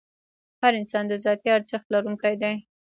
هر انسان د ذاتي ارزښت لرونکی دی.